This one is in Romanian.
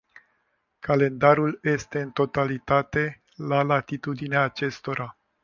Calendarul este în totalitate la latitudinea acestora.